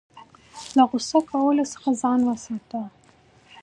له غوسې کولو څخه ځان وساته .